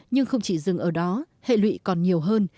nhưng không chỉ dừng ở đó hệ lụy còn nhiều hơn